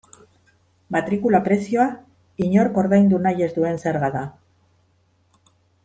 Matrikula prezioa, inork ordaindu nahi ez duen zerga da.